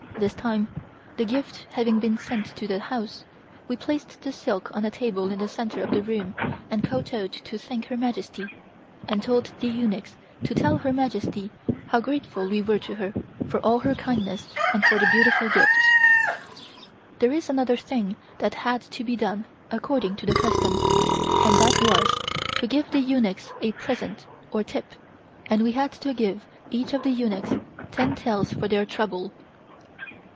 This time, the gift having been sent to the house, we placed the silk on a table in the center of the room and kowtowed to thank Her Majesty and told the eunuchs to tell Her Majesty how grateful we were to her for all her kindness and for the beautiful gifts. There is another thing that had to be done according to the custom, and that was to give the eunuchs a present or tip, and we had to give each of the eunuchs ten taels for their trouble.